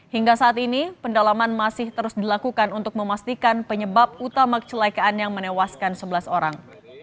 hingga saat ini pendalaman masih terus dilakukan untuk memastikan penyebab utama kecelakaan yang menewaskan sebelas orang